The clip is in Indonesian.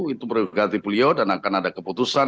itu berganti beliau dan akan ada keputusan